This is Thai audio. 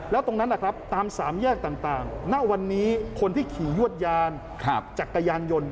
แล้วตรงนั้นตาม๓แยกต่างณวันนี้คนที่ขี่ยวดยานจากกระยานยนต์